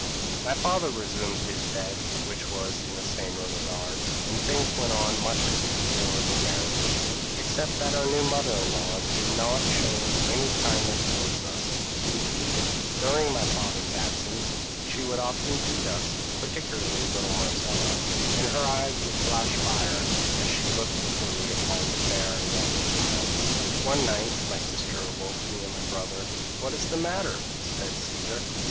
p> "My father resumed his bed, which was in the same room as ours; and things went on much as before the marriage, except that our new mother in law did not show any kindness towards us; indeed during my father's absence, she would often beat us, particularly little Marcella, and her eyes would flash fire, as she looked eagerly upon the fair and lovely child. "One night, my sister awoke me and my brother. "'What is the matter?' said Caesar.